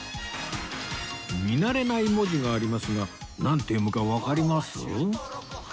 見慣れない文字がありますがなんて読むかわかります？